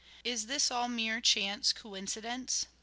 Is this all mere chance coincidence